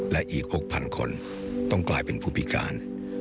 และอีก๖๐๐๐คนต้องกลายเป็นผู้พิการ